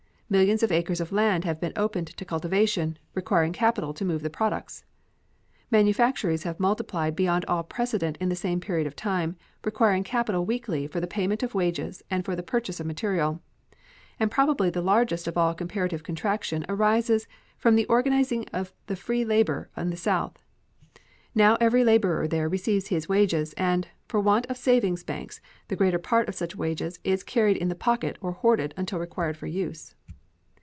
Millions of acres of land have been opened to cultivation, requiring capital to move the products. Manufactories have multiplied beyond all precedent in the same period of time, requiring capital weekly for the payment of wages and for the purchase of material; and probably the largest of all comparative contraction arises from the organizing of free labor in the South. Now every laborer there receives his wages, and, for want of savings banks, the greater part of such wages is carried in the pocket or hoarded until required for use.